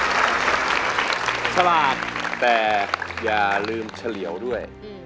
ฉลาดแต่อย่าลืมเฉลี่ยวด้วย